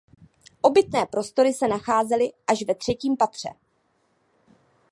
Obytné prostory se nacházely až ve třetím patře.